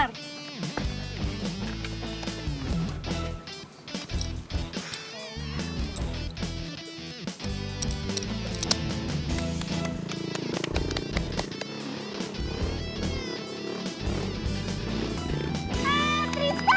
tidak ada yang bisa dikira